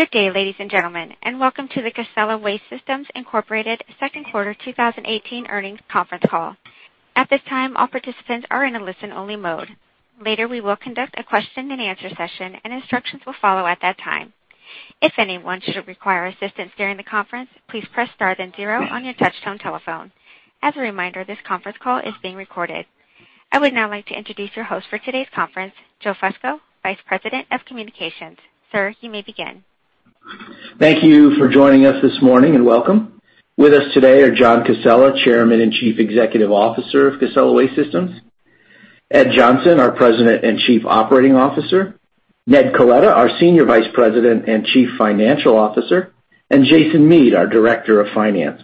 Good day, ladies and gentlemen, and welcome to the Casella Waste Systems Incorporated second quarter 2018 earnings conference call. At this time, all participants are in a listen-only mode. Later, we will conduct a question and answer session, and instructions will follow at that time. If anyone should require assistance during the conference, please press star then zero on your touch-tone telephone. As a reminder, this conference call is being recorded. I would now like to introduce your host for today's conference, Joe Fusco, Vice President of Communications. Sir, you may begin. Thank you for joining us this morning, welcome. With us today are John Casella, Chairman and Chief Executive Officer of Casella Waste Systems, Ed Johnson, our President and Chief Operating Officer, Ned Coletta, our Senior Vice President and Chief Financial Officer, and Jason Mead, our Director of Finance.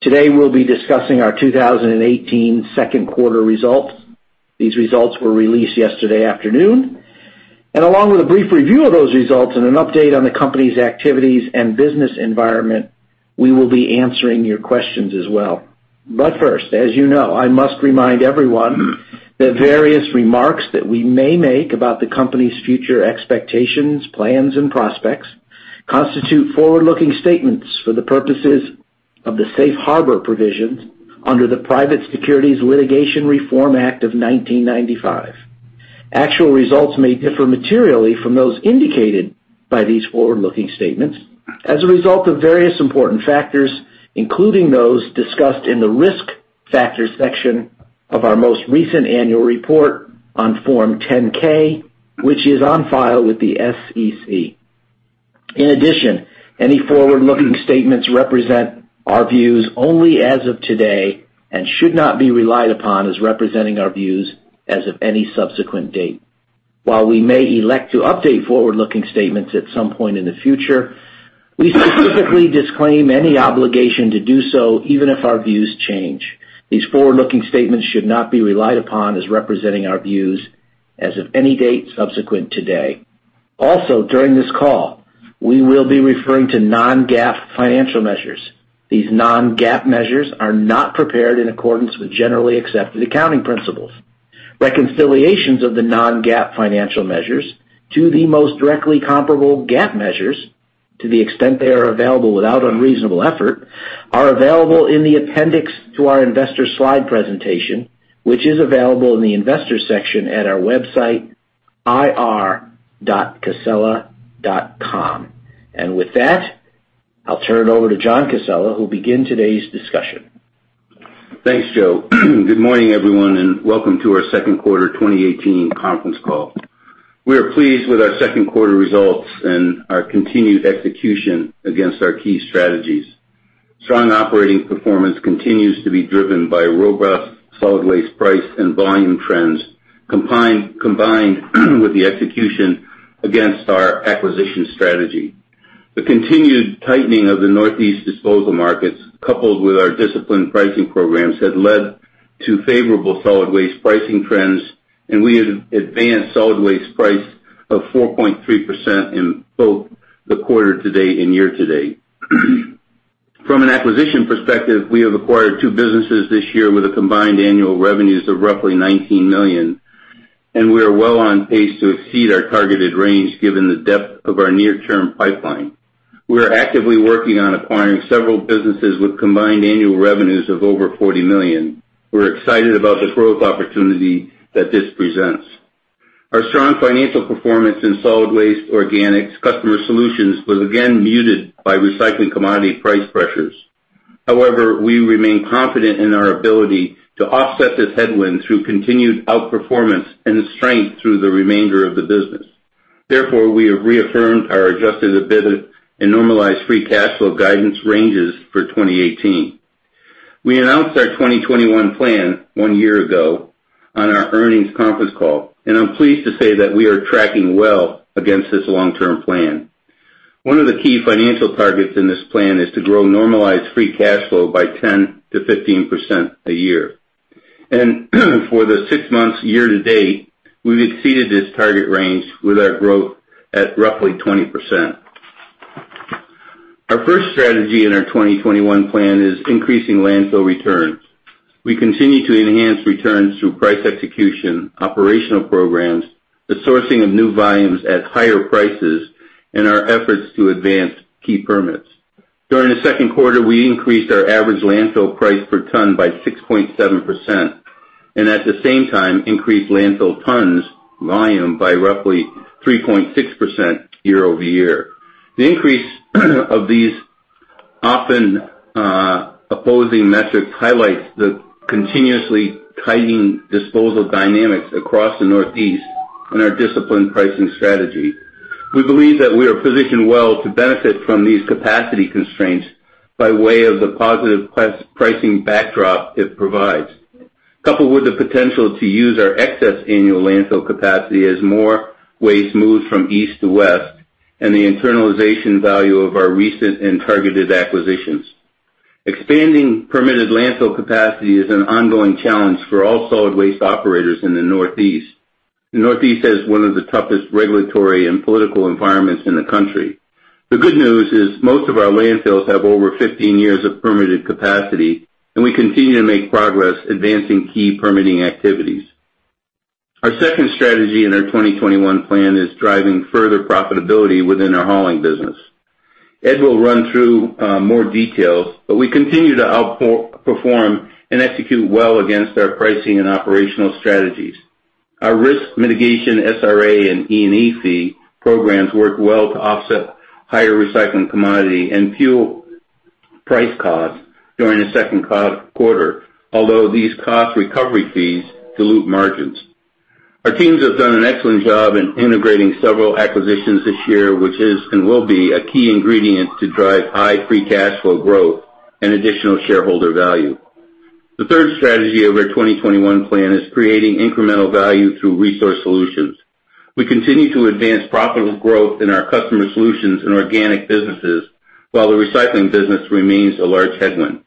Today, we'll be discussing our 2018 second quarter results. These results were released yesterday afternoon. Along with a brief review of those results and an update on the company's activities and business environment, we will be answering your questions as well. First, as you know, I must remind everyone that various remarks that we may make about the company's future expectations, plans, and prospects constitute forward-looking statements for the purposes of the safe harbor provisions under the Private Securities Litigation Reform Act of 1995. Actual results may differ materially from those indicated by these forward-looking statements as a result of various important factors, including those discussed in the risk factors section of our most recent annual report on Form 10-K, which is on file with the SEC. In addition, any forward-looking statements represent our views only as of today and should not be relied upon as representing our views as of any subsequent date. While we may elect to update forward-looking statements at some point in the future, we specifically disclaim any obligation to do so even if our views change. These forward-looking statements should not be relied upon as representing our views as of any date subsequent today. Also, during this call, we will be referring to non-GAAP financial measures. These non-GAAP measures are not prepared in accordance with generally accepted accounting principles. Reconciliations of the non-GAAP financial measures to the most directly comparable GAAP measures, to the extent they are available without unreasonable effort, are available in the appendix to our investor slide presentation, which is available in the investors section at our website, ir.casella.com. With that, I'll turn it over to John Casella, who will begin today's discussion. Thanks, Joe. Good morning, everyone, and welcome to our second quarter 2018 conference call. We are pleased with our second quarter results and our continued execution against our key strategies. Strong operating performance continues to be driven by robust solid waste price and volume trends, combined with the execution against our acquisition strategy. The continued tightening of the Northeast disposal markets, coupled with our disciplined pricing programs, has led to favorable solid waste pricing trends. We have advanced solid waste price of 4.3% in both the quarter to date and year to date. From an acquisition perspective, we have acquired two businesses this year with combined annual revenues of roughly $19 million, and we are well on pace to exceed our targeted range given the depth of our near-term pipeline. We are actively working on acquiring several businesses with combined annual revenues of over $40 million. We're excited about the growth opportunity that this presents. Our strong financial performance in solid waste, Organics, Customer Solutions was again muted by recycling commodity price pressures. However, we remain confident in our ability to offset this headwind through continued outperformance and strength through the remainder of the business. Therefore, we have reaffirmed our adjusted EBITDA and normalized free cash flow guidance ranges for 2018. We announced our 2021 plan one year ago on our earnings conference call. I'm pleased to say that we are tracking well against this long-term plan. One of the key financial targets in this plan is to grow normalized free cash flow by 10%-15% a year. For the six months year to date, we've exceeded this target range with our growth at roughly 20%. Our first strategy in our 2021 plan is increasing landfill returns. We continue to enhance returns through price execution, operational programs, the sourcing of new volumes at higher prices, and our efforts to advance key permits. During the second quarter, we increased our average landfill price per ton by 6.7%. At the same time, increased landfill tons volume by roughly 3.6% year-over-year. The increase of these often opposing metrics highlights the continuously tightening disposal dynamics across the Northeast on our disciplined pricing strategy. We believe that we are positioned well to benefit from these capacity constraints by way of the positive pricing backdrop it provides, coupled with the potential to use our excess annual landfill capacity as more waste moves from east to west and the internalization value of our recent and targeted acquisitions. Expanding permitted landfill capacity is an ongoing challenge for all solid waste operators in the Northeast. The Northeast has one of the toughest regulatory and political environments in the country. The good news is most of our landfills have over 15 years of permitted capacity. We continue to make progress advancing key permitting activities. Our second strategy in our 2021 plan is driving further profitability within our hauling business. Ed will run through more details. We continue to outperform and execute well against our pricing and operational strategies. Our risk mitigation, SRA, and E&E fee programs work well to offset higher recycling commodity and fuel price costs during the second quarter, although these cost recovery fees dilute margins. Our teams have done an excellent job in integrating several acquisitions this year, which is and will be a key ingredient to drive high free cash flow growth and additional shareholder value. The third strategy of our 2021 plan is creating incremental value through resource solutions. We continue to advance profitable growth in our Customer Solutions and Organics businesses, while the recycling business remains a large headwind.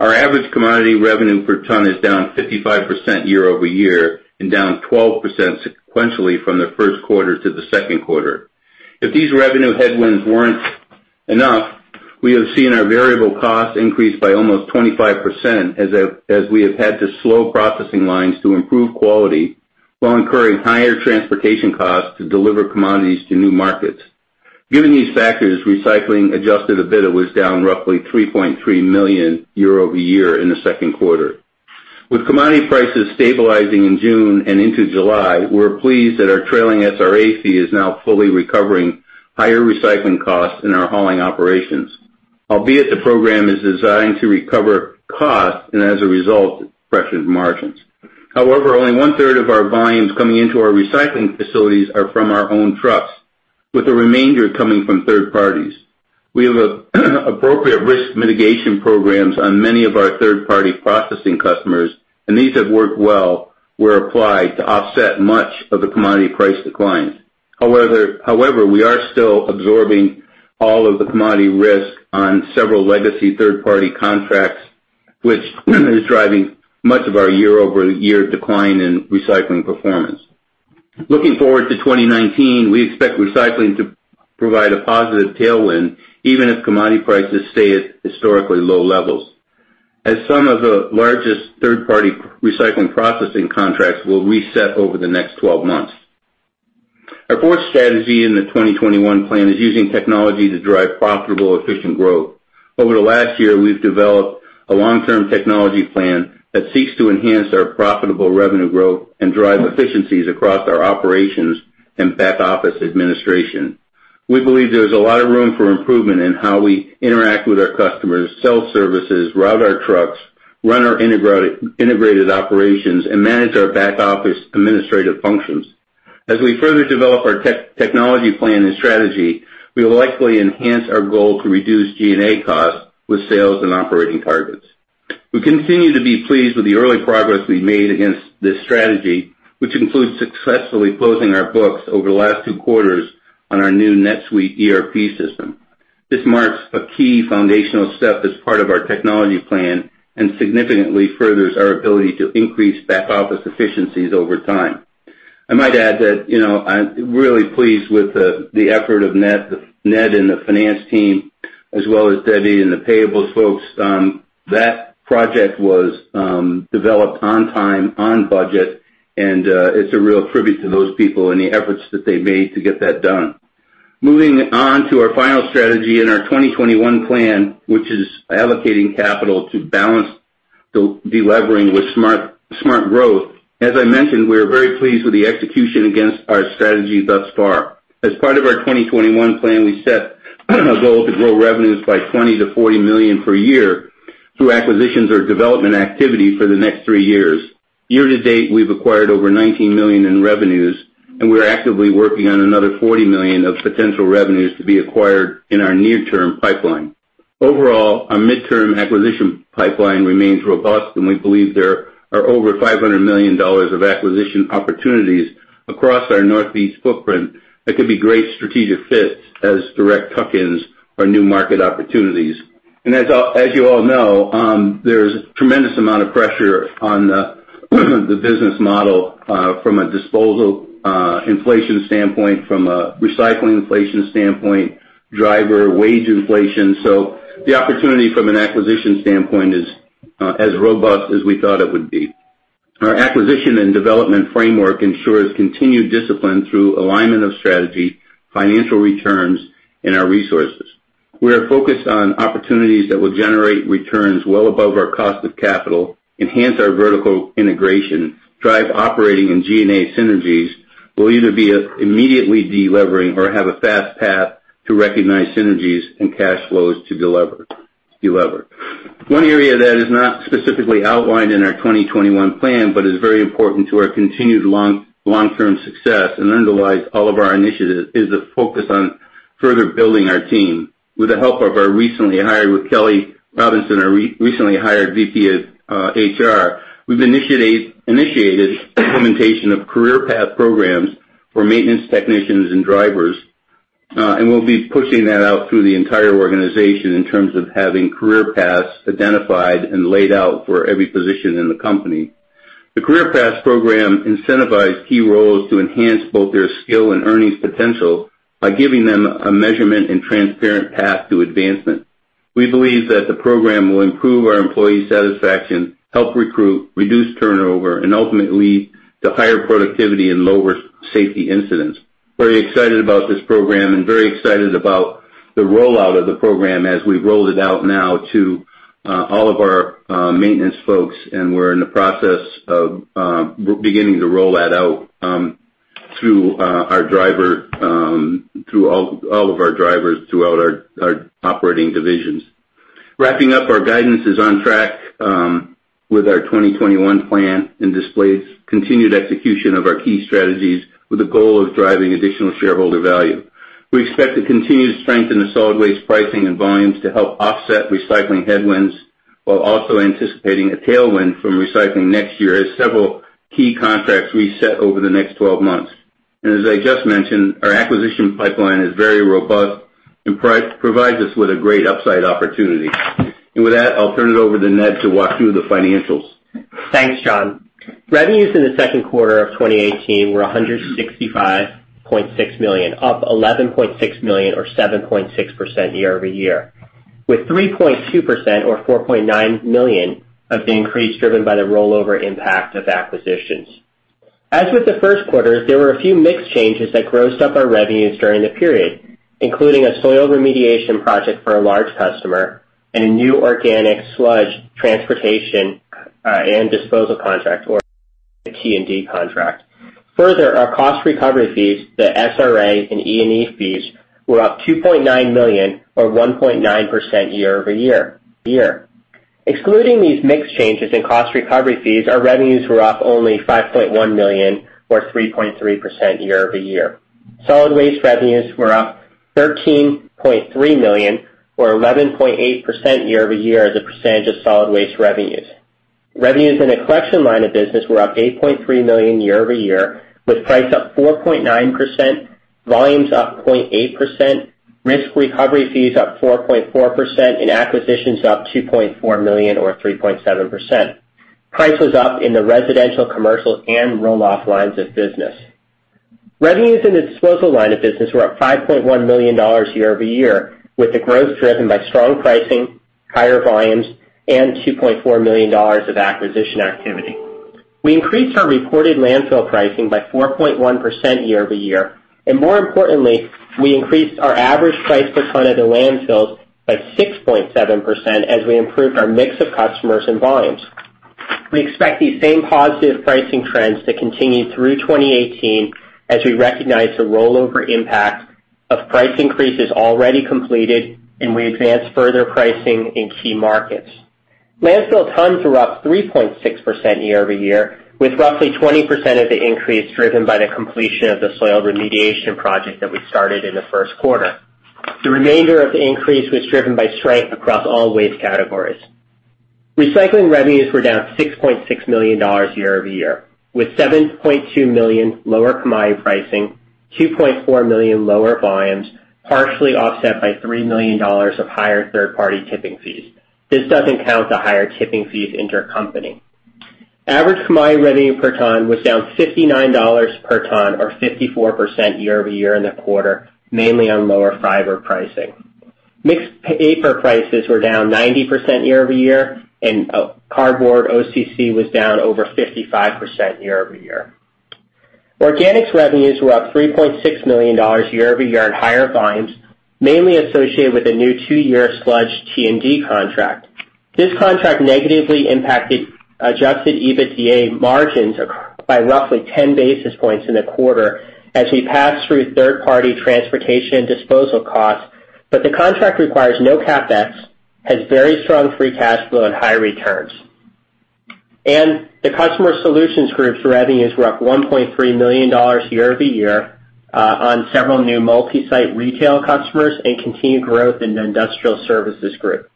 Our average commodity revenue per ton is down 55% year-over-year and down 12% sequentially from the first quarter to the second quarter. If these revenue headwinds weren't enough, we have seen our variable costs increase by almost 25% as we have had to slow processing lines to improve quality while incurring higher transportation costs to deliver commodities to new markets. Given these factors, recycling adjusted EBITDA was down roughly $3.3 million year-over-year in the second quarter. With commodity prices stabilizing in June and into July, we're pleased that our trailing SRA fee is now fully recovering higher recycling costs in our hauling operations, albeit the program is designed to recover costs and as a result, it depressions margins. However, only one-third of our volumes coming into our recycling facilities are from our own trucks, with the remainder coming from third parties. We have appropriate risk mitigation programs on many of our third-party processing customers, and these have worked well, were applied to offset much of the commodity price declines. However, we are still absorbing all of the commodity risk on several legacy third-party contracts, which is driving much of our year-over-year decline in recycling performance. Looking forward to 2019, we expect recycling to provide a positive tailwind, even if commodity prices stay at historically low levels, as some of the largest third-party recycling processing contracts will reset over the next 12 months. Our fourth strategy in the 2021 plan is using technology to drive profitable, efficient growth. Over the last year, we've developed a long-term technology plan that seeks to enhance our profitable revenue growth and drive efficiencies across our operations and back office administration. We believe there's a lot of room for improvement in how we interact with our customers, sell services, route our trucks, run our integrated operations, and manage our back office administrative functions. As we further develop our technology plan and strategy, we will likely enhance our goal to reduce G&A costs with sales and operating targets. We continue to be pleased with the early progress we've made against this strategy, which includes successfully closing our books over the last two quarters on our new NetSuite ERP system. This marks a key foundational step as part of our technology plan and significantly furthers our ability to increase back office efficiencies over time. I might add that I'm really pleased with the effort of Ned and the finance team, as well as Debbie and the payables folks. That project was developed on time, on budget, and it's a real tribute to those people and the efforts that they made to get that done. Moving on to our final strategy in our 2021 plan, which is allocating capital to balance de-levering with smart growth. As I mentioned, we are very pleased with the execution against our strategy thus far. As part of our 2021 plan, we set a goal to grow revenues by $20 million-$40 million per year through acquisitions or development activity for the next three years. Year to date, we've acquired over $19 million in revenues, and we are actively working on another $40 million of potential revenues to be acquired in our near-term pipeline. Overall, our mid-term acquisition pipeline remains robust, and we believe there are over $500 million of acquisition opportunities across our Northeast footprint that could be great strategic fits as direct tuck-ins or new market opportunities. As you all know, there's a tremendous amount of pressure on the business model from a disposal inflation standpoint, from a recycling inflation standpoint, driver wage inflation. The opportunity from an acquisition standpoint is as robust as we thought it would be. Our acquisition and development framework ensures continued discipline through alignment of strategy, financial returns, and our resources. We are focused on opportunities that will generate returns well above our cost of capital, enhance our vertical integration, drive operating and G&A synergies, will either be immediately de-levering or have a fast path to recognize synergies and cash flows to delever. One area that is not specifically outlined in our 2021 plan, but is very important to our continued long-term success and underlies all of our initiatives, is the focus on further building our team. With the help of our recently hired Rikki Robinson, our recently hired VP of HR, we've initiated implementation of career path programs for maintenance technicians and drivers, and we'll be pushing that out through the entire organization in terms of having career paths identified and laid out for every position in the company. The career paths program incentivize key roles to enhance both their skill and earnings potential by giving them a measurement and transparent path to advancement. We believe that the program will improve our employee satisfaction, help recruit, reduce turnover, and ultimately, the higher productivity and lower safety incidents. Very excited about this program and very excited about the rollout of the program as we roll it out now to all of our maintenance folks, and we're in the process of beginning to roll that out through all of our drivers throughout our operating divisions. Wrapping up, our guidance is on track with our 2021 plan and displays continued execution of our key strategies with the goal of driving additional shareholder value. We expect to continue to strengthen the solid waste pricing and volumes to help offset recycling headwinds while also anticipating a tailwind from recycling next year as several key contracts reset over the next 12 months. As I just mentioned, our acquisition pipeline is very robust and provides us with a great upside opportunity. With that, I'll turn it over to Ned to walk through the financials. Thanks, John. Revenues in the second quarter of 2018 were $165.6 million, up $11.6 million or 7.6% year-over-year, with 3.2% or $4.9 million of the increase driven by the rollover impact of acquisitions. As with the first quarter, there were a few mix changes that grossed up our revenues during the period, including a soil remediation project for a large customer and a new organic sludge transportation and disposal contract or a T&D contract. Further, our cost recovery fees, the SRA and E&E fees, were up $2.9 million or 1.9% year-over-year. Excluding these mix changes in cost recovery fees, our revenues were up only $5.1 million or 3.3% year-over-year. Solid waste revenues were up $13.3 million or 11.8% year-over-year as a percentage of solid waste revenues. Revenues in the collection line of business were up $8.3 million year-over-year, with price up 4.9%, volumes up 0.8%, risk recovery fees up 4.4%, and acquisitions up $2.4 million or 3.7%. Price was up in the residential, commercial, and roll-off lines of business. Revenues in the disposal line of business were up $5.1 million year-over-year, with the growth driven by strong pricing, higher volumes, and $2.4 million of acquisition activity. We increased our reported landfill pricing by 4.1% year-over-year, and more importantly, we increased our average price per ton at the landfills by 6.7% as we improved our mix of customers and volumes. We expect these same positive pricing trends to continue through 2018 as we recognize the rollover impact of price increases already completed and we advance further pricing in key markets. Landfill tons were up 3.6% year-over-year, with roughly 20% of the increase driven by the completion of the soil remediation project that we started in the first quarter. The remainder of the increase was driven by strength across all waste categories. Recycling revenues were down $6.6 million year-over-year, with $7.2 million lower combined pricing, $2.4 million lower volumes, partially offset by $3 million of higher third-party tipping fees. This doesn't count the higher tipping fees intercompany. Average combined revenue per ton was down $59 per ton or 54% year-over-year in the quarter, mainly on lower fiber pricing. Mixed paper prices were down 90% year-over-year, and cardboard OCC was down over 55% year-over-year. Organics revenues were up $3.6 million year-over-year on higher volumes, mainly associated with a new two-year sludge T&D contract. This contract negatively impacted adjusted EBITDA margins by roughly 10 basis points in the quarter as we passed through third-party transportation and disposal costs, but the contract requires no CapEx, has very strong free cash flow and high returns. The Customer Solutions Group's revenues were up $1.3 million year-over-year on several new multi-site retail customers and continued growth in the Industrial Services group.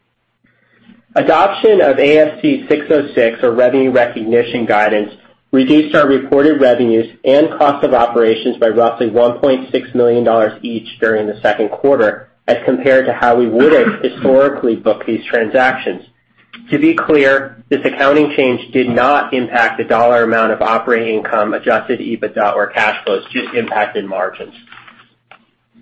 Adoption of ASC 606, or revenue recognition guidance, reduced our reported revenues and cost of operations by roughly $1.6 million each during the second quarter as compared to how we would have historically booked these transactions. To be clear, this accounting change did not impact the dollar amount of operating income, adjusted EBITDA or cash flows, it just impacted margins.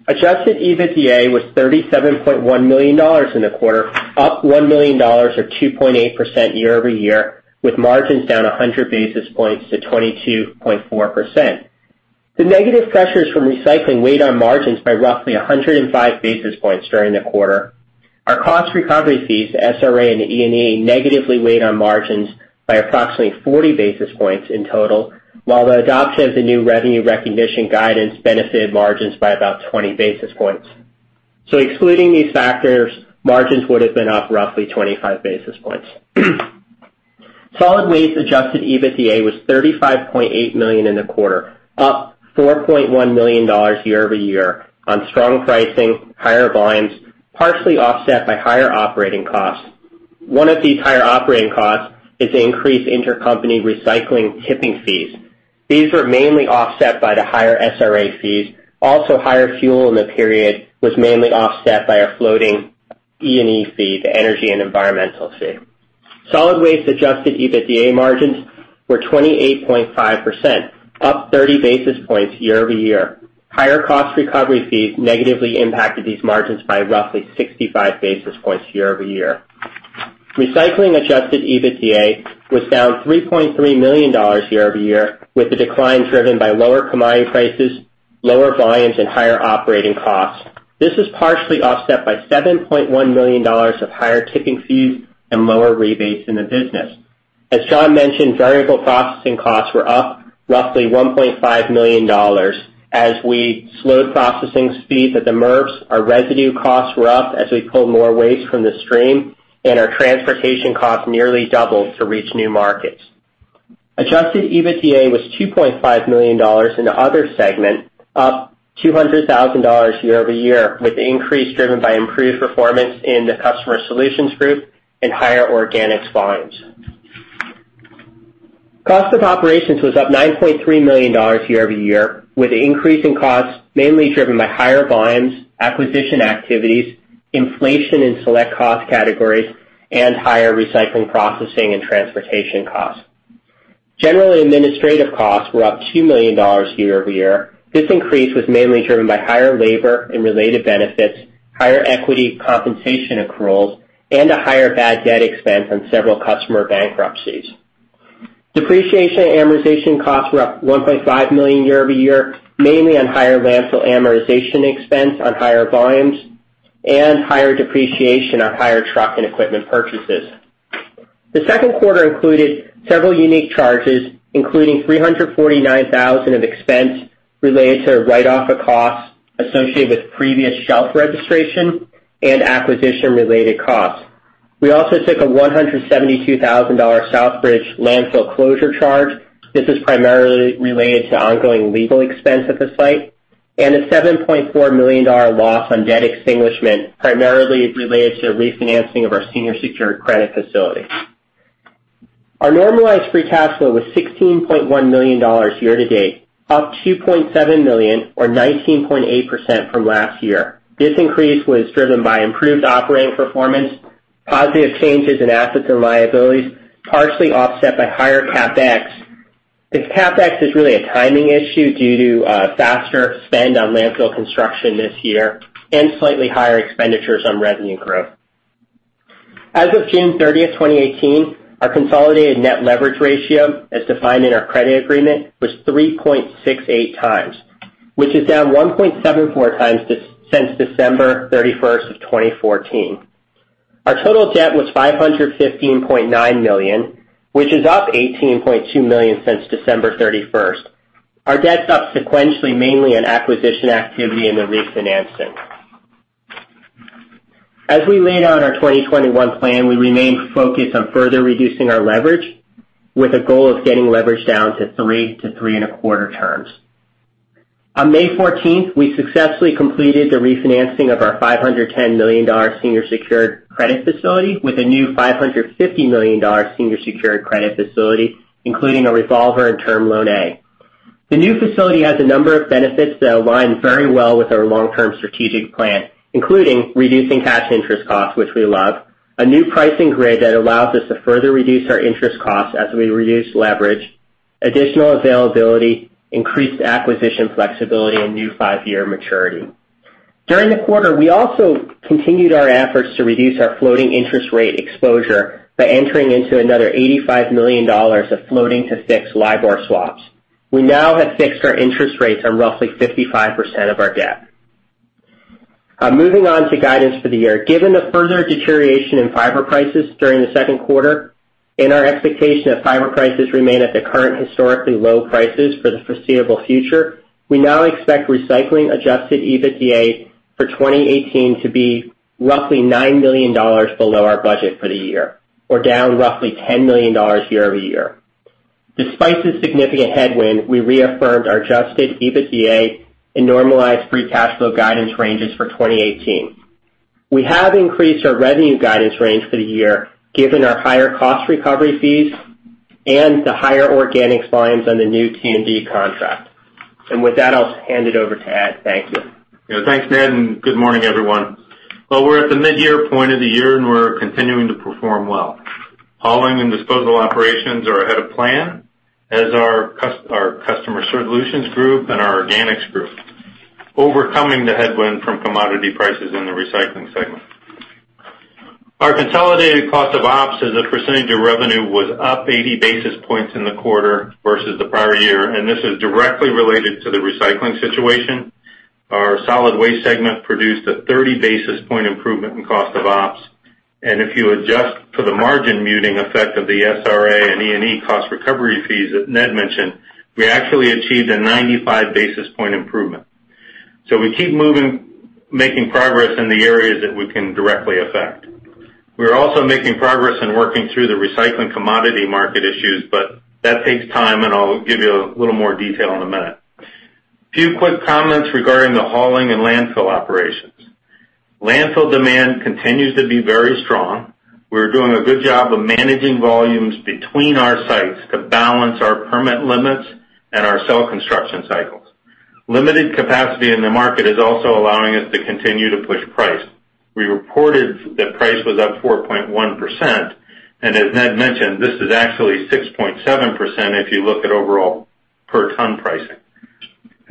Adjusted EBITDA was $37.1 million in the quarter, up $1 million or 2.8% year-over-year, with margins down 100 basis points to 22.4%. The negative pressures from recycling weighed on margins by roughly 105 basis points during the quarter. Our cost recovery fees, the SRA and the E&E, negatively weighed on margins by approximately 40 basis points in total, while the adoption of the new revenue recognition guidance benefited margins by about 20 basis points. Excluding these factors, margins would have been up roughly 25 basis points. Solid waste adjusted EBITDA was $35.8 million in the quarter, up $4.1 million year-over-year on strong pricing, higher volumes, partially offset by higher operating costs. One of these higher operating costs is the increased intercompany recycling tipping fees. These were mainly offset by the higher SRA fees. Also, higher fuel in the period was mainly offset by our floating E&E fee, the Energy & Environmental fee. Solid waste adjusted EBITDA margins were 28.5%, up 30 basis points year-over-year. Higher cost recovery fees negatively impacted these margins by roughly 65 basis points year-over-year. Recycling adjusted EBITDA was down $3.3 million year-over-year, with the decline driven by lower commodity prices, lower volumes, and higher operating costs. This was partially offset by $7.1 million of higher tipping fees and lower rebates in the business. As John mentioned, variable processing costs were up roughly $1.5 million as we slowed processing speeds at the MRFs. Our residue costs were up as we pulled more waste from the stream, and our transportation costs nearly doubled to reach new markets. Adjusted EBITDA was $2.5 million in the other segment, up $200,000 year-over-year, with the increase driven by improved performance in the Customer Solutions Group and higher organics volumes. Cost of operations was up $9.3 million year-over-year with the increase in costs mainly driven by higher volumes, acquisition activities, inflation in select cost categories, and higher recycling processing and transportation costs. General administrative costs were up $2 million year-over-year. This increase was mainly driven by higher labor and related benefits, higher equity compensation accruals, and a higher bad debt expense on several customer bankruptcies. Depreciation and amortization costs were up $1.5 million year-over-year, mainly on higher landfill amortization expense on higher volumes and higher depreciation on higher truck and equipment purchases. The second quarter included several unique charges, including $349,000 of expense related to write-off of costs associated with previous shelf registration and acquisition-related costs. We also took a $172,000 Southbridge landfill closure charge. This is primarily related to ongoing legal expense at the site. A $7.4 million loss on debt extinguishment, primarily related to the refinancing of our senior secured credit facility. Our normalized free cash flow was $16.1 million year-to-date, up $2.7 million or 19.8% from last year. This increase was driven by improved operating performance, positive changes in assets and liabilities, partially offset by higher CapEx. This CapEx is really a timing issue due to a faster spend on landfill construction this year and slightly higher expenditures on revenue growth. As of June 30th, 2018, our consolidated net leverage ratio, as defined in our credit agreement, was 3.68 times, which is down 1.74 times since December 31st of 2014. Our total debt was $515.9 million, which is up $18.2 million since December 31st. Our debt is up sequentially mainly on acquisition activity and the refinancing. As we laid out our 2021 plan, we remain focused on further reducing our leverage with a goal of getting leverage down to three to three and a quarter turns. On May 14th, we successfully completed the refinancing of our $510 million senior secured credit facility with a new $550 million senior secured credit facility, including a revolver and term loan A. The new facility has a number of benefits that align very well with our long-term strategic plan, including reducing cash interest costs, which we love, a new pricing grid that allows us to further reduce our interest costs as we reduce leverage, additional availability, increased acquisition flexibility, and new five-year maturity. During the quarter, we also continued our efforts to reduce our floating interest rate exposure by entering into another $85 million of floating-to-fixed LIBOR swaps. We now have fixed our interest rates on roughly 55% of our debt. Moving on to guidance for the year. Given the further deterioration in fiber prices during the second quarter and our expectation that fiber prices remain at the current historically low prices for the foreseeable future, we now expect recycling adjusted EBITDA for 2018 to be roughly $9 million below our budget for the year or down roughly $10 million year-over-year. Despite this significant headwind, we reaffirmed our adjusted EBITDA and normalized free cash flow guidance ranges for 2018. We have increased our revenue guidance range for the year, given our higher cost recovery fees and the higher organics volumes on the new T&D contract. With that, I'll hand it over to Ed. Thank you. Yeah. Thanks, Ned, and good morning, everyone. Well, we're at the midyear point of the year, and we're continuing to perform well. Hauling and disposal operations are ahead of plan as our Customer Solutions Group and our Organics Group, overcoming the headwind from commodity prices in the recycling segment. Our consolidated cost of ops as a percentage of revenue was up 80 basis points in the quarter versus the prior year, and this is directly related to the recycling situation. Our solid waste segment produced a 30-basis-point improvement in cost of ops, and if you adjust for the margin muting effect of the SRA and E&E cost recovery fees that Ned mentioned, we actually achieved a 95-basis-point improvement. We keep making progress in the areas that we can directly affect. We are also making progress in working through the recycling commodity market issues, but that takes time, and I'll give you a little more detail in a minute. A few quick comments regarding the hauling and landfill operations. Landfill demand continues to be very strong. We're doing a good job of managing volumes between our sites to balance our permit limits and our cell construction cycles. Limited capacity in the market is also allowing us to continue to push price. We reported that price was up 4.1%, and as Ned mentioned, this is actually 6.7% if you look at overall per ton pricing.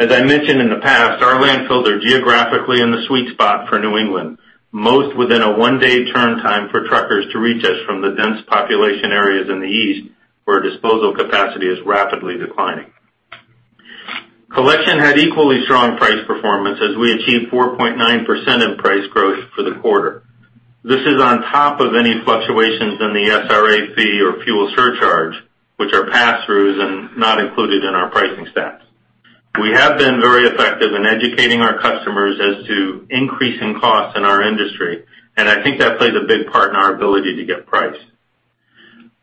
As I mentioned in the past, our landfills are geographically in the sweet spot for New England, most within a one-day turn time for truckers to reach us from the dense population areas in the east, where disposal capacity is rapidly declining. Collection had equally strong price performance as we achieved 4.9% in price growth for the quarter. This is on top of any fluctuations in the SRA fee or fuel surcharge, which are pass-throughs and not included in our pricing stats. We have been very effective in educating our customers as to increasing costs in our industry. I think that plays a big part in our ability to get price.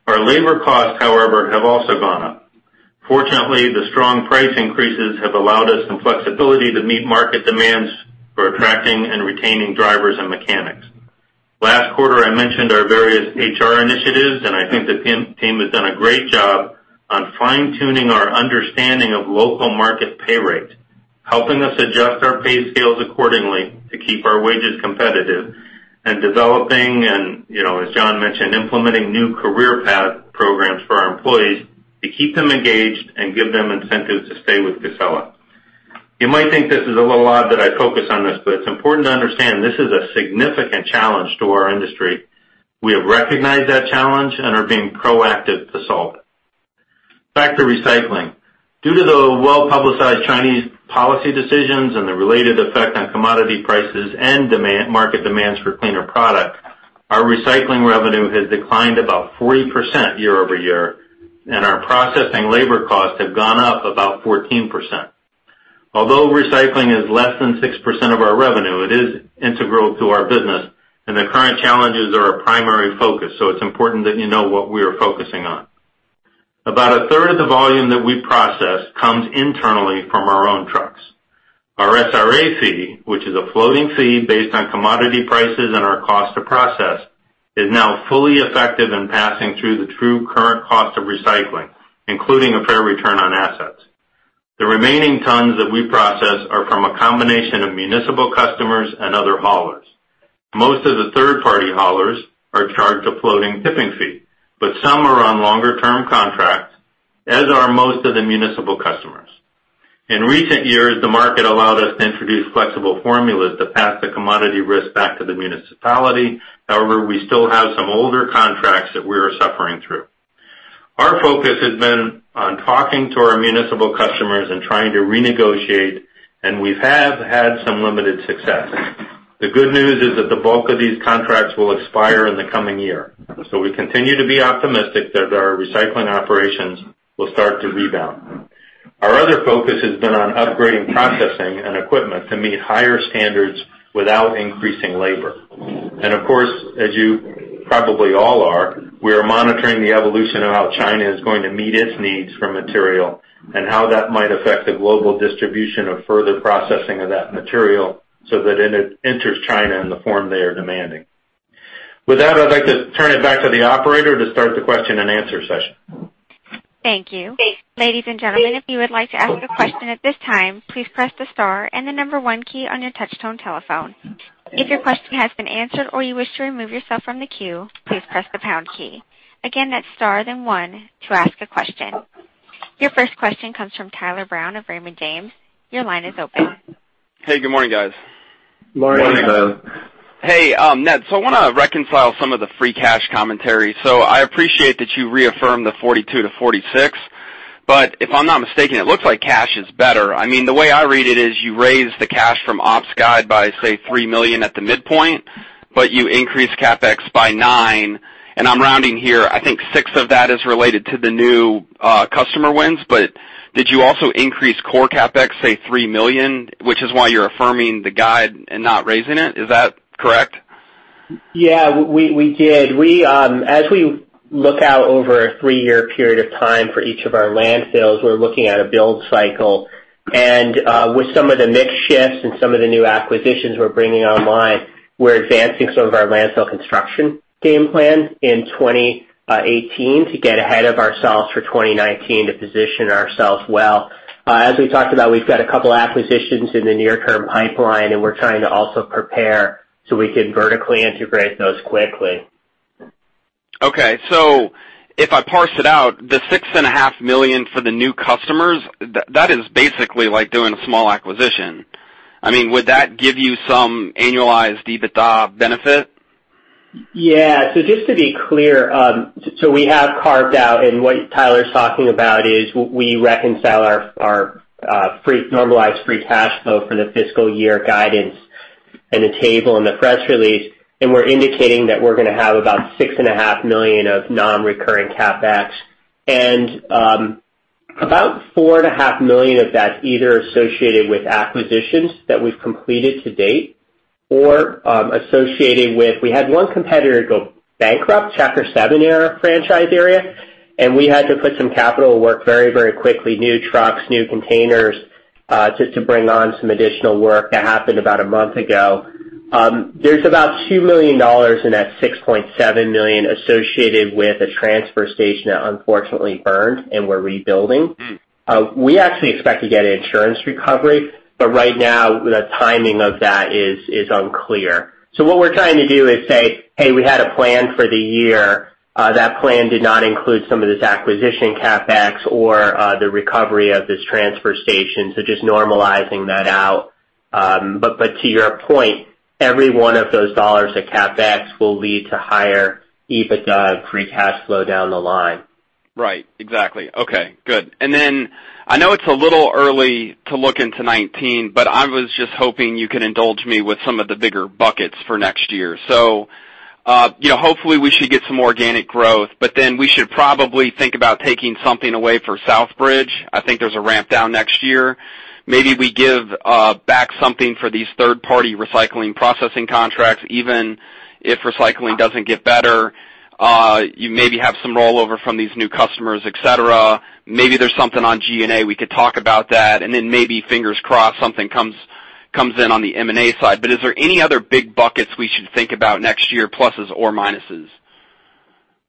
Our labor costs, however, have also gone up. Fortunately, the strong price increases have allowed us some flexibility to meet market demands for attracting and retaining drivers and mechanics. Last quarter, I mentioned our various HR initiatives. I think the team has done a great job on fine-tuning our understanding of local market pay rates, helping us adjust our pay scales accordingly to keep our wages competitive, and developing and, as John mentioned, implementing new career path programs for our employees to keep them engaged and give them incentives to stay with Casella. You might think this is a little odd that I focus on this, but it's important to understand this is a significant challenge to our industry. We have recognized that challenge and are being proactive to solve it. Back to recycling. Due to the well-publicized Chinese policy decisions and the related effect on commodity prices and market demands for cleaner product, our recycling revenue has declined about 40% year-over-year. Our processing labor costs have gone up about 14%. Although recycling is less than 6% of our revenue, it is integral to our business. The current challenges are our primary focus. It's important that you know what we are focusing on. About a third of the volume that we process comes internally from our own trucks. Our SRA fee, which is a floating fee based on commodity prices and our cost to process, is now fully effective in passing through the true current cost of recycling, including a fair return on assets. The remaining tons that we process are from a combination of municipal customers and other haulers. Most of the third-party haulers are charged a floating tipping fee. Some are on longer-term contracts, as are most of the municipal customers. In recent years, the market allowed us to introduce flexible formulas to pass the commodity risk back to the municipality. We still have some older contracts that we are suffering through. Our focus has been on talking to our municipal customers and trying to renegotiate. We have had some limited success. The good news is that the bulk of these contracts will expire in the coming year. We continue to be optimistic that our recycling operations will start to rebound. Our other focus has been on upgrading processing and equipment to meet higher standards without increasing labor. Of course, as you probably all are, we are monitoring the evolution of how China is going to meet its needs for material and how that might affect the global distribution of further processing of that material so that it enters China in the form they are demanding. With that, I'd like to turn it back to the operator to start the question and answer session. Thank you. Ladies and gentlemen, if you would like to ask a question at this time, please press the star and the number one key on your touchtone telephone. If your question has been answered or you wish to remove yourself from the queue, please press the pound key. Again, that's star then one to ask a question. Your first question comes from Tyler Brown of Raymond James. Your line is open. Hey, good morning, guys. Morning. Hey, Ned, I want to reconcile some of the free cash commentary. I appreciate that you reaffirmed the $42-$46, but if I'm not mistaken, it looks like cash is better. The way I read it is you raised the cash from ops guide by, say, $3 million at the midpoint, you increased CapEx by $9 million, and I'm rounding here. I think $6 million of that is related to the new customer wins, did you also increase core CapEx, say, $3 million, which is why you're affirming the guide and not raising it? Is that correct? Yeah, we did. As we look out over a three-year period of time for each of our landfills, we're looking at a build cycle. With some of the mix shifts and some of the new acquisitions we're bringing online, we're advancing some of our landfill construction game plan in 2018 to get ahead of ourselves for 2019 to position ourselves well. As we talked about, we've got a couple acquisitions in the near-term pipeline, and we're trying to also prepare so we can vertically integrate those quickly. Okay. If I parse it out, the $6.5 million for the new customers, that is basically like doing a small acquisition. Would that give you some annualized EBITDA benefit? Yeah. Just to be clear, so we have carved out and what Tyler's talking about is we reconcile our normalized free cash flow for the fiscal year guidance in the table in the press release, and we're indicating that we're going to have about $6.5 million of non-recurring CapEx. About $4.5 million of that's either associated with acquisitions that we've completed to date or associated with We had one competitor go bankrupt, Chapter 7 franchise area, and we had to put some capital to work very, very quickly, new trucks, new containers, just to bring on some additional work. That happened about a month ago. There's about $2 million in that $6.7 million associated with a transfer station that unfortunately burned, and we're rebuilding. We actually expect to get insurance recovery, but right now, the timing of that is unclear. What we're trying to do is say, "Hey, we had a plan for the year. That plan did not include some of this acquisition CapEx or the recovery of this transfer station." Just normalizing that out. To your point, every one of those dollars of CapEx will lead to higher EBITDA and free cash flow down the line. Right. Exactly. Okay, good. I know it's a little early to look into 2019, but I was just hoping you could indulge me with some of the bigger buckets for next year. Hopefully we should get some organic growth, but then we should probably think about taking something away for Southbridge. I think there's a ramp down next year. Maybe we give back something for these third-party recycling processing contracts, even if recycling doesn't get better. You maybe have some rollover from these new customers, et cetera. Maybe there's something on G&A, we could talk about that. Maybe, fingers crossed, something comes in on the M&A side. Is there any other big buckets we should think about next year, pluses or minuses?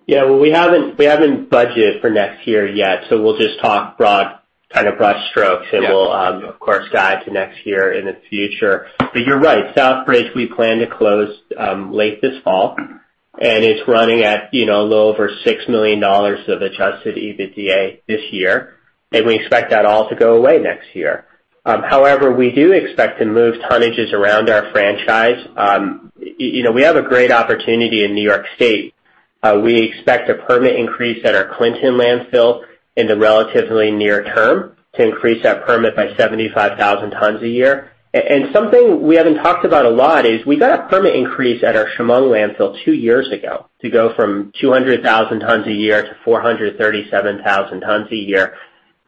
Yeah. Well, we haven't budgeted for next year yet, so we'll just talk broad kind of brushstrokes- Yeah We'll of course guide to next year in the future. You're right, Southbridge, we plan to close late this fall, and it's running at a little over $6 million of adjusted EBITDA this year, and we expect that all to go away next year. However, we do expect to move tonnages around our franchise. We have a great opportunity in New York State. We expect a permit increase at our Clinton landfill in the relatively near term to increase that permit by 75,000 tons a year. Something we haven't talked about a lot is we got a permit increase at our Chemung landfill two years ago to go from 200,000 tons a year to 437,000 tons a year.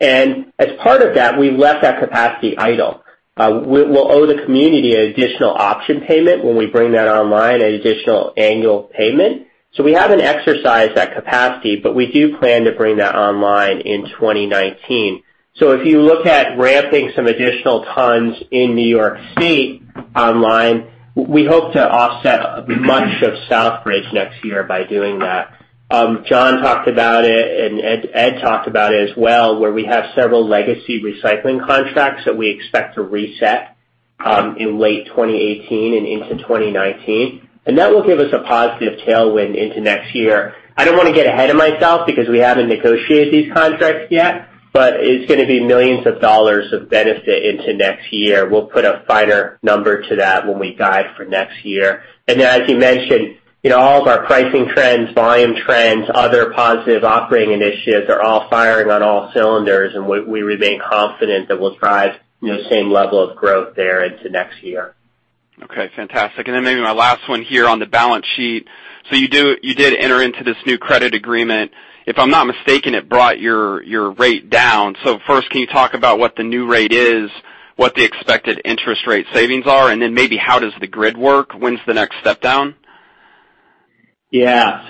As part of that, we left that capacity idle. We'll owe the community an additional option payment when we bring that online, an additional annual payment. We haven't exercised that capacity, but we do plan to bring that online in 2019. If you look at ramping some additional tons in New York State online, we hope to offset much of Southbridge next year by doing that. John talked about it, and Ed talked about it as well, where we have several legacy recycling contracts that we expect to reset in late 2018 and into 2019. That will give us a positive tailwind into next year. I don't want to get ahead of myself, because we haven't negotiated these contracts yet, but it's going to be millions of dollars of benefit into next year. We'll put a finer number to that when we guide for next year. As you mentioned, all of our pricing trends, volume trends, other positive operating initiatives are all firing on all cylinders, and we remain confident that we'll drive the same level of growth there into next year. Okay, fantastic. Maybe my last one here on the balance sheet. You did enter into this new credit agreement. If I'm not mistaken, it brought your rate down. First, can you talk about what the new rate is, what the expected interest rate savings are, and then maybe how does the grid work? When's the next step down? Yeah.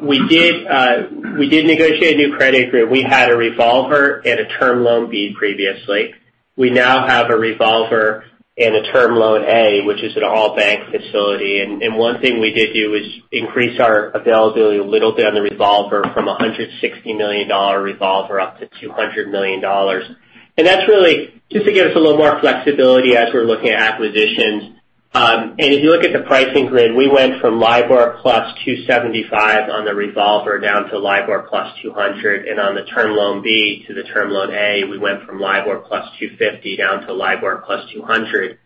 We did negotiate a new credit agreement. We had a revolver and a term loan B previously. We now have a revolver and a term loan A, which is an all-bank facility. One thing we did do is increase our availability a little bit on the revolver from $160 million revolver up to $200 million. That's really just to give us a little more flexibility as we're looking at acquisitions. If you look at the pricing grid, we went from LIBOR plus 275 on the revolver down to LIBOR plus 200. On the term loan B to the term loan A, we went from LIBOR plus 250 down to LIBOR plus 200.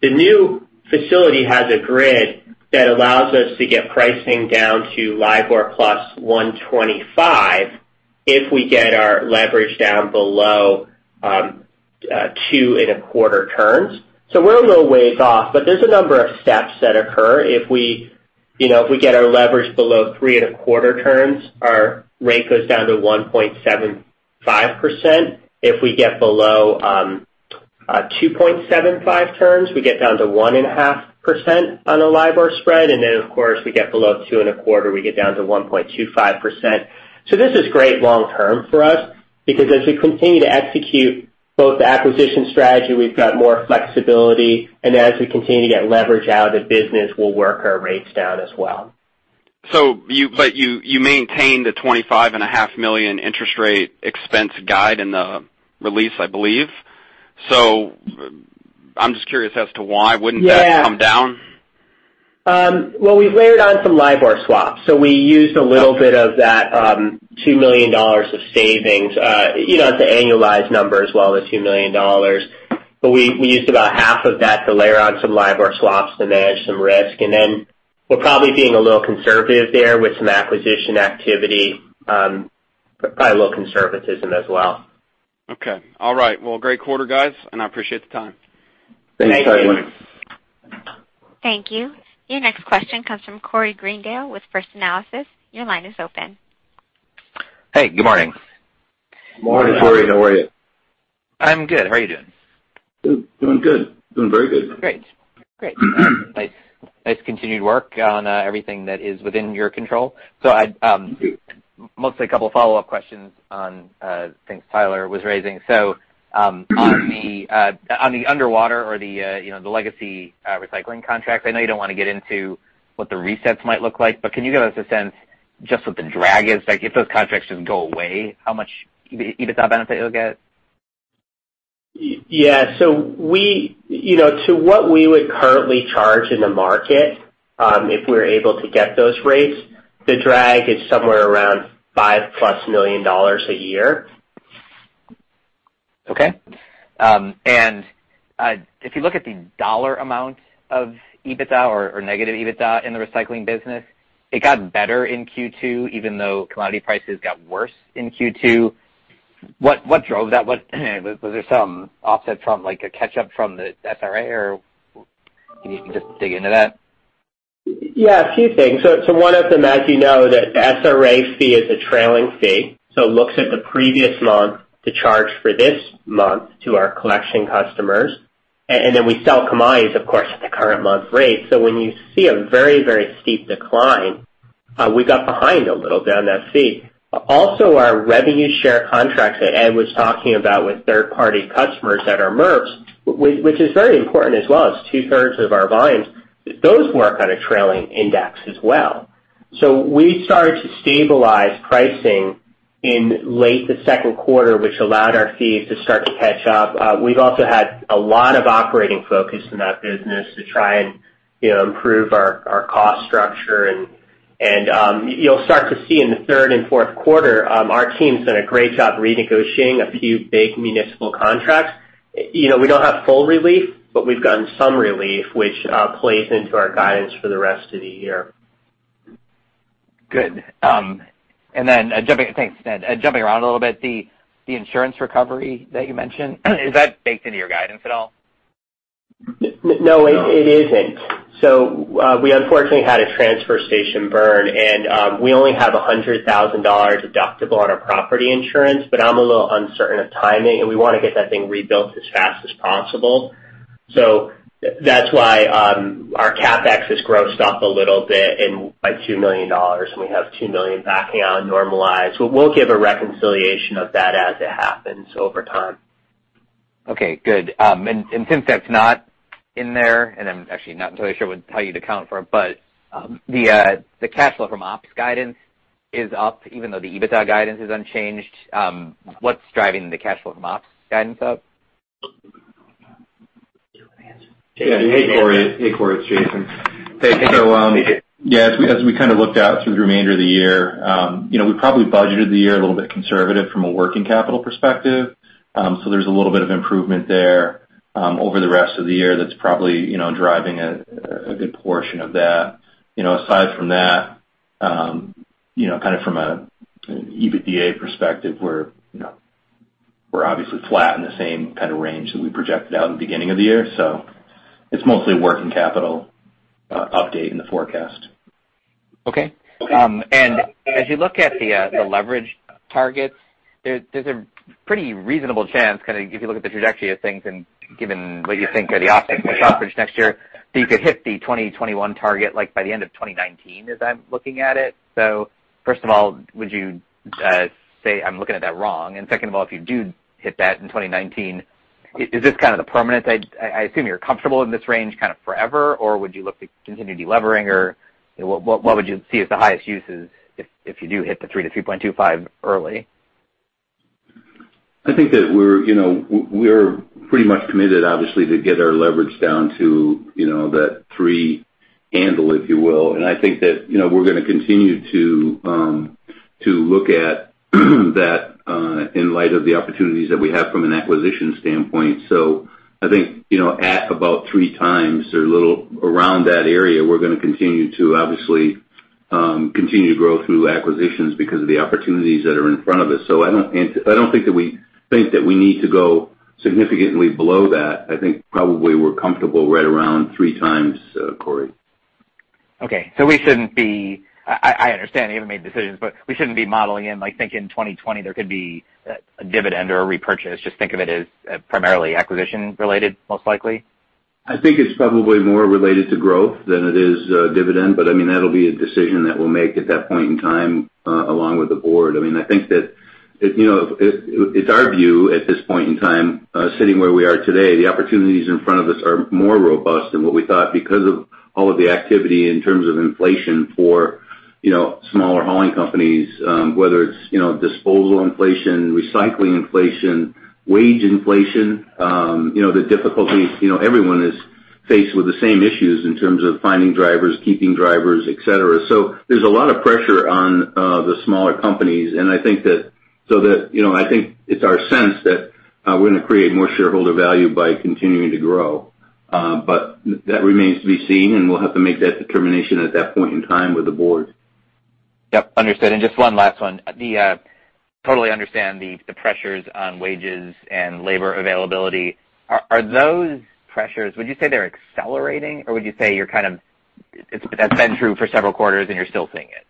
The new facility has a grid that allows us to get pricing down to LIBOR plus 125 if we get our leverage down below 2.25 turns. We're a little ways off, but there's a number of steps that occur. If we get our leverage below 3.25 turns, our rate goes down to 1.75%. If we get below 2.75 turns, we get down to 1.5% on the LIBOR spread. Of course, we get below 2.25, we get down to 1.25%. This is great long term for us because as we continue to execute both the acquisition strategy, we've got more flexibility. As we continue to get leverage out of the business, we'll work our rates down as well. You maintained a $25.5 million interest rate expense guide in the release, I believe. I'm just curious as to why. Wouldn't that come down? Well, we layered on some LIBOR swaps. We used a little bit of that $2 million of savings. It's an annualized number as well, the $2 million. We used about half of that to layer on some LIBOR swaps to manage some risk. Then we're probably being a little conservative there with some acquisition activity. Probably a little conservatism as well. Okay. All right. Well, great quarter, guys, and I appreciate the time. Thanks. Thank you. Your next question comes from Corey Greendale with First Analysis. Your line is open. Hey, good morning. Morning, Corey. How are you? I'm good. How are you doing? Good. Doing good. Doing very good. Great. Nice continued work on everything that is within your control. Thank you. Mostly a couple follow-up questions on things Tyler was raising. On the underwater or the legacy recycling contracts, I know you don't want to get into what the resets might look like, but can you give us a sense just what the drag is? Like if those contracts just go away, how much EBITDA benefit you'll get? Yeah. To what we would currently charge in the market, if we're able to get those rates, the drag is somewhere around $5-plus million a year. Okay. If you look at the dollar amount of EBITDA or negative EBITDA in the recycling business, it got better in Q2, even though commodity prices got worse in Q2. What drove that? Was there some offset from like a catch up from the SRA, or can you just dig into that? A few things. One of them, as you know, that SRA fee is a trailing fee, it looks at the previous month to charge for this month to our collection customers. Then we sell commodities, of course, at the current month rate. When you see a very, very steep decline, we got behind a little bit on that fee. Also, our revenue share contracts that Ed was talking about with third-party customers that are merged, which is very important as well, it's two-thirds of our volumes. Those work on a trailing index as well. We started to stabilize pricing in late the second quarter, which allowed our fees to start to catch up. We've also had a lot of operating focus in that business to try and improve our cost structure. You'll start to see in the third and fourth quarter, our team's done a great job renegotiating a few big municipal contracts. We don't have full relief, but we've gotten some relief, which plays into our guidance for the rest of the year. Good. Thanks, Ned. Jumping around a little bit, the insurance recovery that you mentioned, is that baked into your guidance at all? No, it isn't. We unfortunately had a transfer station burn, we only have $100,000 deductible on our property insurance, I'm a little uncertain of timing, we want to get that thing rebuilt as fast as possible. That's why our CapEx is grossed up a little bit by $2 million. We have $2 million backing out normalized. We'll give a reconciliation of that as it happens over time. Okay, good. Since that's not in there, and I'm actually not entirely sure how you'd account for it, but the cash flow from ops guidance is up even though the EBITDA guidance is unchanged. What's driving the cash flow from ops guidance up? Hey, Corey, it's Jason. Yeah, as we kind of looked out through the remainder of the year, we probably budgeted the year a little bit conservative from a working capital perspective. There's a little bit of improvement there over the rest of the year that's probably driving a good portion of that. Aside from that, from an EBITDA perspective, we're obviously flat in the same kind of range that we projected out in the beginning of the year. It's mostly working capital update in the forecast. Okay. As you look at the leverage targets, there's a pretty reasonable chance, if you look at the trajectory of things and given what you think are the optics for coverage next year, that you could hit the 2021 target, like by the end of 2019 as I'm looking at it. First of all, would you say I'm looking at that wrong? Second of all, if you do hit that in 2019, is this kind of the permanent-- I assume you're comfortable in this range kind of forever, or would you look to continue de-levering? What would you see as the highest uses if you do hit the 3 to 3.25 early? I think that we're pretty much committed, obviously, to get our leverage down to that three handle, if you will. I think that we're going to continue to look at that in light of the opportunities that we have from an acquisition standpoint. I think at about 3 times or a little around that area, we're going to continue to obviously, continue to grow through acquisitions because of the opportunities that are in front of us. I don't think that we need to go significantly below that. I think probably we're comfortable right around 3 times, Corey. Okay. I understand you haven't made the decisions, but we shouldn't be modeling in like, think in 2020, there could be a dividend or a repurchase. Just think of it as primarily acquisition-related, most likely? I think it's probably more related to growth than it is dividend, that'll be a decision that we'll make at that point in time along with the board. I think that it's our view at this point in time, sitting where we are today, the opportunities in front of us are more robust than what we thought because of all of the activity in terms of inflation for smaller hauling companies, whether it's disposal inflation, recycling inflation, wage inflation, the difficulties. Everyone is faced with the same issues in terms of finding drivers, keeping drivers, et cetera. There's a lot of pressure on the smaller companies. I think it's our sense that we're going to create more shareholder value by continuing to grow. That remains to be seen, and we'll have to make that determination at that point in time with the board. Yep, understood. Just one last one. Totally understand the pressures on wages and labor availability. Are those pressures, would you say they're accelerating, or would you say you're kind of That's been true for several quarters, and you're still seeing it?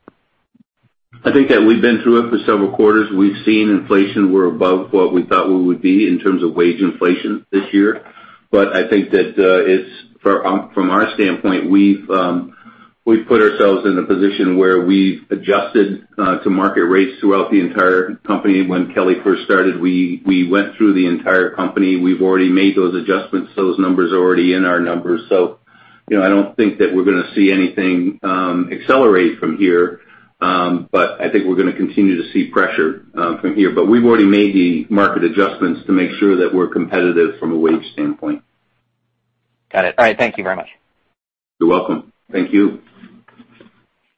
I think that we've been through it for several quarters. We've seen inflation. We're above what we thought we would be in terms of wage inflation this year. I think that from our standpoint, we've put ourselves in a position where we've adjusted to market rates throughout the entire company. When Kelley first started, we went through the entire company. We've already made those adjustments. Those numbers are already in our numbers. I don't think that we're going to see anything accelerate from here. I think we're going to continue to see pressure from here. We've already made the market adjustments to make sure that we're competitive from a wage standpoint. Got it. All right. Thank you very much. You're welcome. Thank you.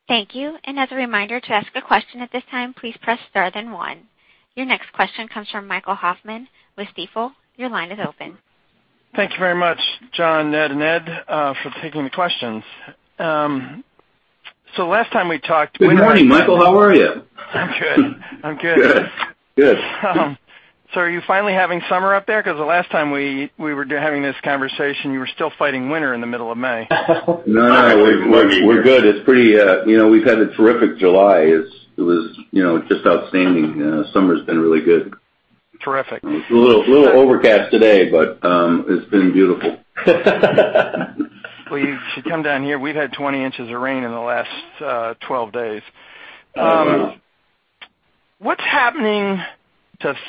Thank you. As a reminder, to ask a question at this time, please press star then one. Your next question comes from Michael Hoffman with Stifel. Your line is open. Thank you very much, John, Ned, and Ed, for taking the questions. Last time we talked. Good morning, Michael. How are you? I'm good. Good. Are you finally having summer up there? Because the last time we were having this conversation, you were still fighting winter in the middle of May. No, we're good. We've had a terrific July. It was just outstanding. Summer's been really good. Terrific. It's a little overcast today, but it's been beautiful. You should come down here. We've had 20 inches of rain in the last 12 days. What's happening to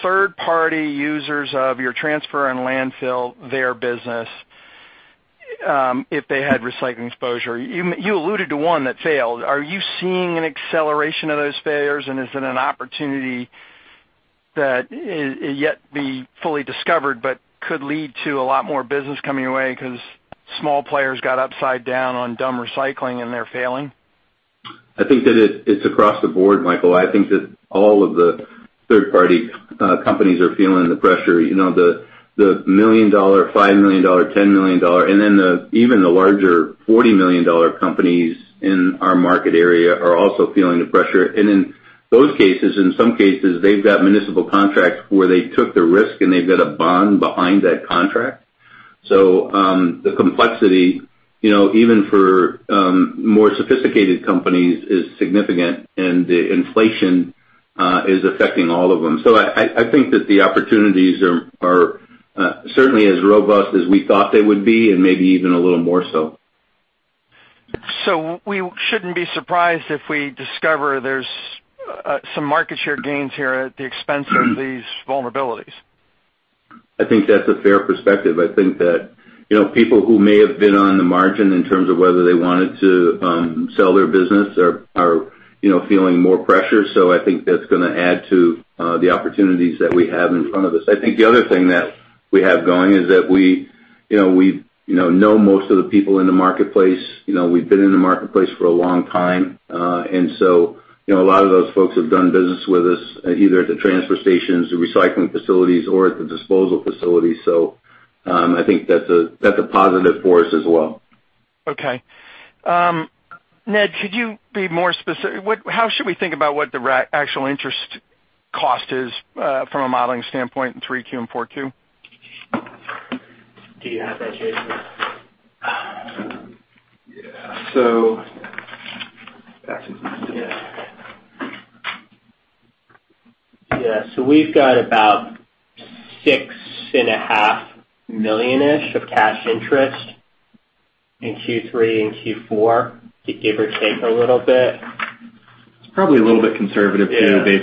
third-party users of your transfer and landfill their business if they had recycling exposure? You alluded to one that failed. Are you seeing an acceleration of those failures, and is it an opportunity that is yet to be fully discovered but could lead to a lot more business coming your way because small players got upside down on dumb recycling and they're failing? I think that it's across the board, Michael. I think that all of the third-party companies are feeling the pressure. The million-dollar, $5 million, $10 million, and even the larger $40 million companies in our market area are also feeling the pressure. In those cases, in some cases, they've got municipal contracts where they took the risk, and they've got a bond behind that contract. The complexity, even for more sophisticated companies, is significant, and the inflation is affecting all of them. I think that the opportunities are certainly as robust as we thought they would be, and maybe even a little more so. We shouldn't be surprised if we discover there's some market share gains here at the expense of these vulnerabilities. I think that's a fair perspective. I think that people who may have been on the margin in terms of whether they wanted to sell their business are feeling more pressure. I think that's going to add to the opportunities that we have in front of us. I think the other thing that we have going is that we know most of the people in the marketplace. We've been in the marketplace for a long time. A lot of those folks have done business with us, either at the transfer stations, the recycling facilities, or at the disposal facilities. I think that's a positive for us as well. Okay. Ned, could you be more specific? How should we think about what the actual interest cost is from a modeling standpoint in Q3 and Q4? Do you have that, Jason? We've got about $6.5 million-ish of cash interest in Q3 and Q4, give or take a little bit. It's probably a little bit conservative. Maybe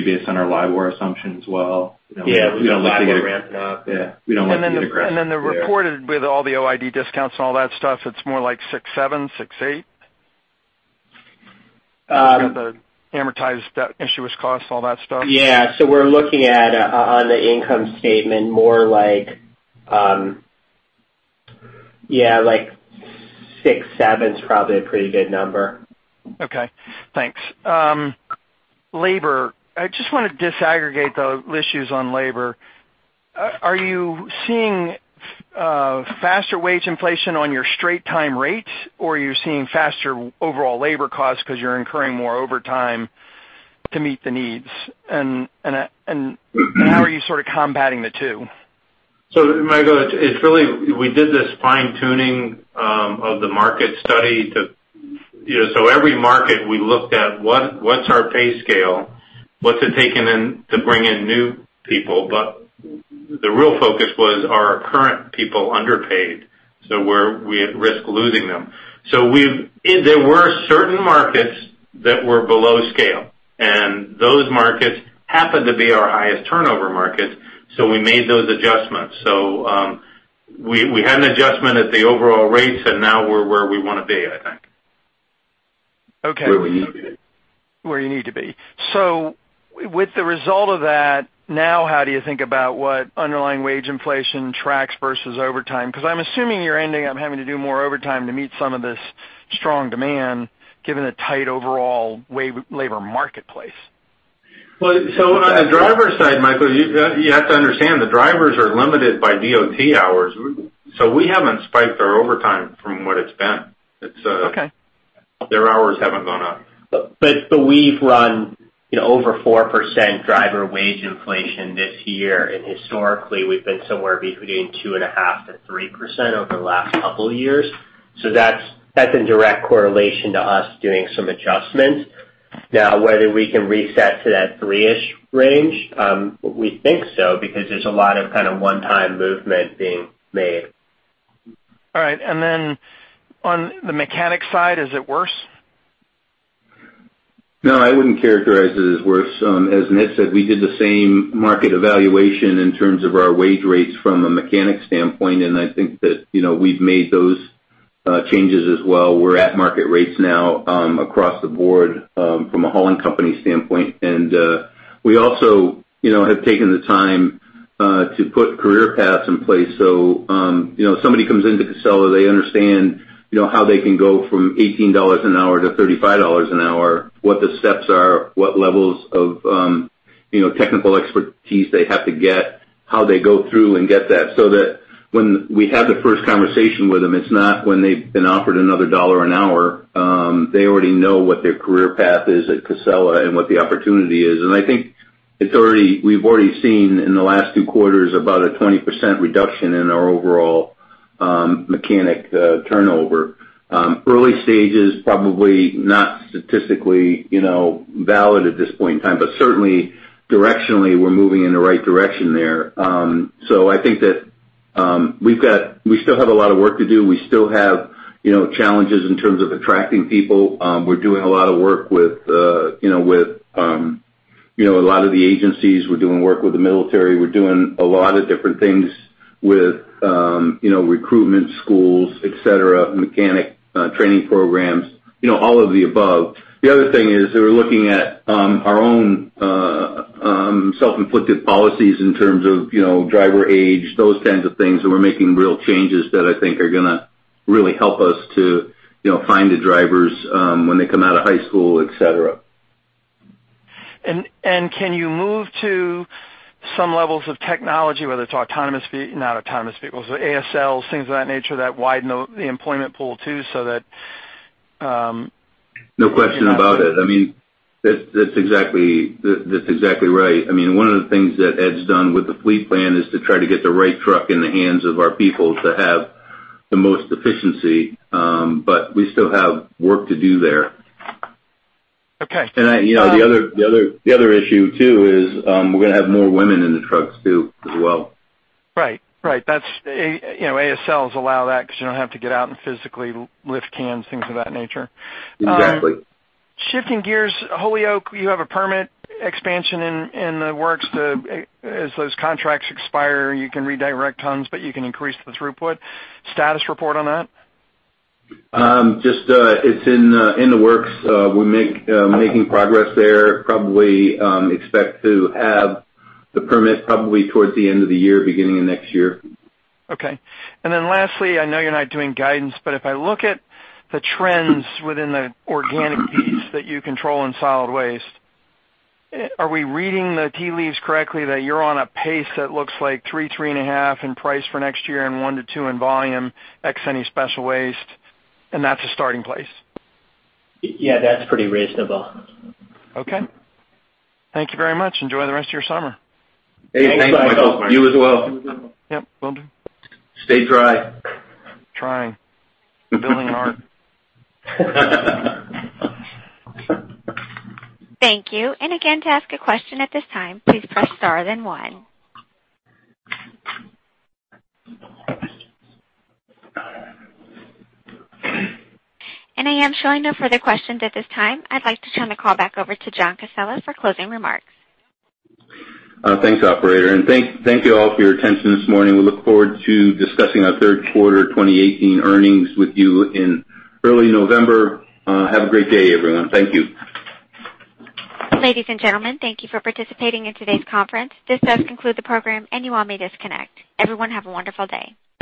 based on our LIBOR assumptions as well. With the LIBOR ramping up. We don't want to be aggressive there. The reported, with all the OID discounts and all that stuff, it's more like $6.7, $6.8? The amortized debt issuance cost, all that stuff. Yeah. We're looking at, on the income statement, more like 6-7 is probably a pretty good number. Okay. Thanks. Labor. I just want to disaggregate the issues on labor. Are you seeing faster wage inflation on your straight time rates, or are you seeing faster overall labor costs because you're incurring more overtime to meet the needs? How are you sort of combating the two? Michael, we did this fine-tuning of the market study to every market we looked at what's our pay scale, what's it taking in to bring in new people. The real focus was, are our current people underpaid so we're at risk losing them? There were certain markets that were below scale, and those markets happened to be our highest turnover markets, so we made those adjustments. We had an adjustment at the overall rates, and now we're where we want to be, I think. Okay. Where we need to be. Where you need to be. With the result of that, now how do you think about what underlying wage inflation tracks versus overtime? I'm assuming you're ending up having to do more overtime to meet some of this strong demand, given the tight overall labor marketplace. On the driver side, Michael, you have to understand, the drivers are limited by DOT hours. We haven't spiked our overtime from what it's been. Okay. Their hours haven't gone up. We've run Over 4% driver wage inflation this year. Historically, we've been somewhere between 2.5%-3% over the last couple of years. That's in direct correlation to us doing some adjustments. Whether we can reset to that three-ish range, we think so, there's a lot of one-time movement being made. All right. Then on the mechanic side, is it worse? No, I wouldn't characterize it as worse. As Ned said, we did the same market evaluation in terms of our wage rates from a mechanic standpoint, I think that we've made those changes as well. We're at market rates now across the board from a hauling company standpoint. We also have taken the time to put career paths in place. Somebody comes into Casella, they understand how they can go from $18 an hour to $35 an hour, what the steps are, what levels of technical expertise they have to get, how they go through and get that, so that when we have the first conversation with them, it's not when they've been offered another dollar an hour. They already know what their career path is at Casella and what the opportunity is. I think we've already seen in the last two quarters about a 20% reduction in our overall mechanic turnover. Early stages, probably not statistically valid at this point in time, but certainly directionally we're moving in the right direction there. I think that we still have a lot of work to do. We still have challenges in terms of attracting people. We're doing a lot of work with a lot of the agencies. We're doing work with the military. We're doing a lot of different things with recruitment schools, et cetera, mechanic training programs, all of the above. The other thing is that we're looking at our own self-inflicted policies in terms of driver age, those kinds of things that we're making real changes that I think are going to really help us to find the drivers when they come out of high school, et cetera. Can you move to some levels of technology, whether it's ASL, things of that nature, that widen the employment pool too. No question about it. That's exactly right. One of the things that Ed's done with the fleet plan is to try to get the right truck in the hands of our people to have the most efficiency. We still have work to do there. Okay. The other issue, too, is we're going to have more women in the trucks too, as well. Right. ASLs allow that because you don't have to get out and physically lift cans, things of that nature. Exactly. Shifting gears. Holyoke, you have a permit expansion in the works to, as those contracts expire, you can redirect tons, you can increase the throughput. Status report on that? Just it's in the works. We're making progress there. Probably expect to have the permit probably towards the end of the year, beginning of next year. Okay. Lastly, I know you're not doing guidance, but if I look at the trends within the organic piece that you control in solid waste, are we reading the tea leaves correctly that you're on a pace that looks like three and a half in price for next year and one to two in volume, X any special waste, and that's a starting place? Yeah, that's pretty reasonable. Okay. Thank you very much. Enjoy the rest of your summer. Hey, thanks, Michael. You as well. Yep. Will do. Stay dry. Trying. Building an ark. Thank you. Again, to ask a question at this time, please press star then one. I am showing no further questions at this time. I'd like to turn the call back over to John Casella for closing remarks. Thanks, operator. Thank you all for your attention this morning. We look forward to discussing our third quarter 2018 earnings with you in early November. Have a great day, everyone. Thank you. Ladies and gentlemen, thank you for participating in today's conference. This does conclude the program. You all may disconnect. Everyone have a wonderful day.